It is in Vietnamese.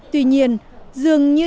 tuy nhiên dường như